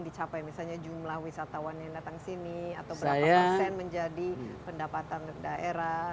dicapai misalnya jumlah wisatawan yang datang sini atau berapa persen menjadi pendapatan daerah